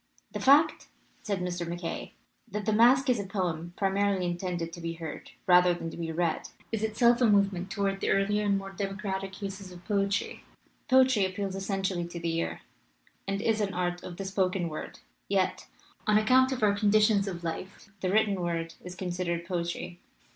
"The fact," said Mr. MacKaye, "that the masque is a poem primarily intended to be heard rather than to be read, is itself a movement tow ard the earlier and more democratic uses of poe try. Poetry appeals essentially to the ear, and is an art of the spoken word, yet, on account of our conditions of life, the written word is con sidered poetry.